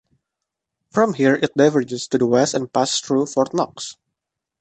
From here, it diverges to the west and passes through Fort Knox.